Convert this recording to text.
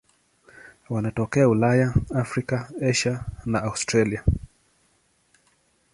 Wanatokea Ulaya, Afrika, Asia na Australia.